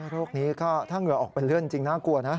โรคนี้ก็ถ้าเหงื่อออกเป็นเลื่อนจริงน่ากลัวนะ